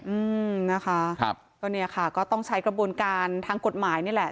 อืมนะคะครับก็เนี่ยค่ะก็ต้องใช้กระบวนการทางกฎหมายนี่แหละ